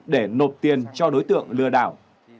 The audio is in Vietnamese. để nộp tiền cho đối tượng lừa đảo